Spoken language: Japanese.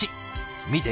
見て！